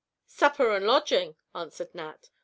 "Supper and lodging," answered Nat.